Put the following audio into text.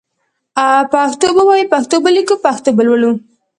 پښتو به وايو پښتو به ليکو پښتو به لولو